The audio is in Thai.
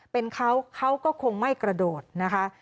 เป็นเขาเขาก็คงไม่กระโดดนะคะ